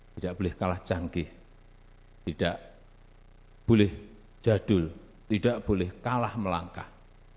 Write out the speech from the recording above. tidak boleh kalah canggih tidak boleh jadul tidak boleh kalah melangkah